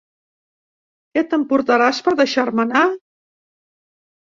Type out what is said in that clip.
Què t'emportaràs per deixar-me anar?